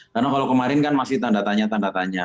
karena kalau kemarin kan masih tanda tanya tanda tanya